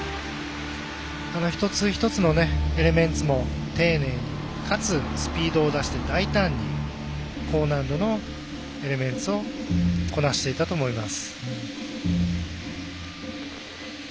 一つ一つのエレメンツも丁寧にかつスピードを出して大胆に高難度のエレメンツをこなしていたと思います。